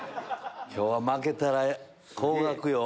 今日は負けたら高額よ。